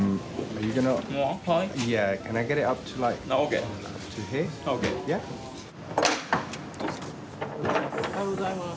おはようございます。